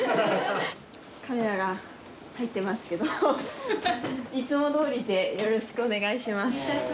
カメラが入ってますけどいつもどおりでよろしくお願いします